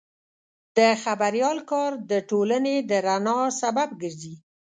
د خبریال کار د ټولنې د رڼا سبب ګرځي.